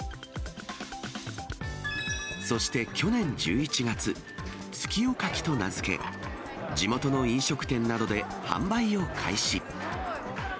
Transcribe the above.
そして去年１１月、月夜牡蠣と名付け、地元の飲食店などで販売を開始。